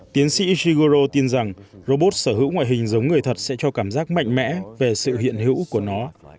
tiến sĩ shigoro tin rằng robot sở hữu ngoại hình giống người thật sẽ cho cảm giác mạnh mẽ về sự hiện hữu của nó